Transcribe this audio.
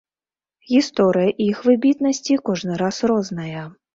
Гісторыя іх выбітнасці кожны раз розная.